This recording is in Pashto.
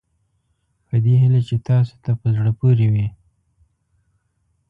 په دې هیله چې تاسوته په زړه پورې وي.